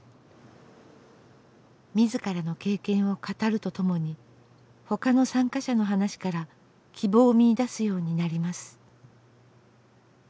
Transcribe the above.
自らの経験を語るとともに他の参加者の話から希望を見いだすようになります。